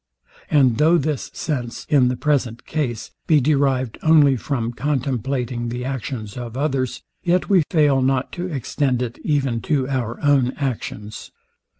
And though this sense, in the present case, be derived only from contemplating the actions of others, yet we fail not to extend it even to our own actions.